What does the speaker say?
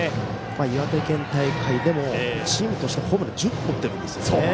岩手県大会でもチームとしてホームラン１０本打っているんですね。